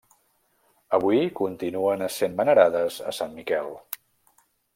Avui, continuen essent venerades a Sant Miquel.